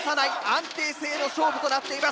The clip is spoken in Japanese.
安定性の勝負となっています。